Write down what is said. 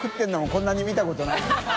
こんなに見たことないよね。